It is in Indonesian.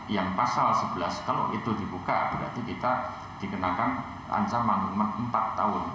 yang pasal sebelas kalau itu dibuka berarti kita dikenakan ancaman empat tahun